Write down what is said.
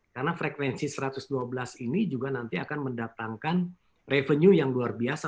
karena frekuensi satu ratus dua belas ini juga nanti akan mendatangkan revenue yang luar biasa